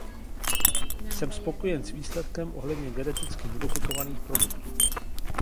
Jsem spokojen s výsledkem ohledně geneticky modifikovaných produktů.